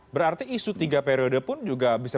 berarti isu tiga periode pun juga bisa